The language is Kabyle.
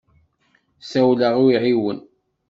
Ssawleɣ i uɛiwen.